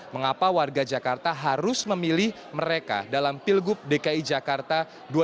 mengapa warga jakarta harus memilih mereka dalam pilgub dki jakarta dua ribu delapan belas